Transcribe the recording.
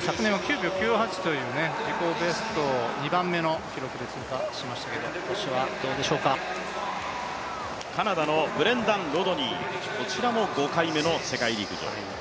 昨年は９秒９８という自己ベスト、２番目の記録で通過しましたけどカナダのブレンダン・ロドニー、こちらも５回目の世界陸上。